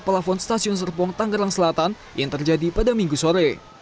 pelafon stasiun serpong tanggerang selatan yang terjadi pada minggu sore